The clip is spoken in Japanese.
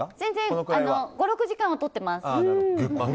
５６時間はとってます。